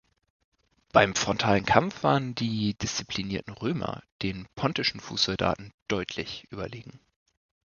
Beim frontalen Kampf waren die disziplinierten Römer den pontischen Fußsoldaten deutlich überlegen.